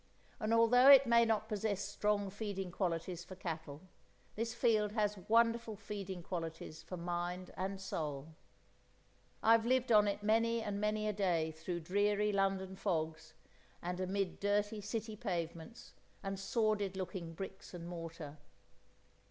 And although it may not possess strong feeding qualities for cattle, this field has wonderful feeding qualities for mind and soul; I've lived on it many and many a day through dreary London fogs and amid dirty City pavements and sordid looking bricks and mortar.